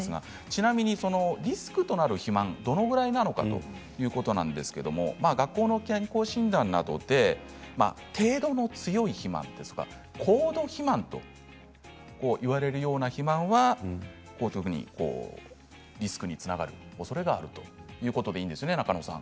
ちなみにリスクとなる肥満どのくらいなのかということなんですが学校の健康診断などで程度の強い肥満ですとか高度肥満と言われるような肥満は特にリスクにつながるおそれがあるということですよね。